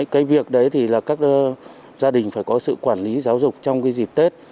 cái việc đấy thì là các gia đình phải có sự quản lý giáo dục trong cái dịp tết